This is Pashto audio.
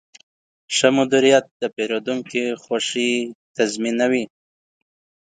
ښه مدیریت د پیرودونکو خوښي تضمینوي.